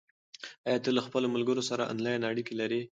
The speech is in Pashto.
آیا ته له خپلو ملګرو سره آنلاین اړیکه لرې؟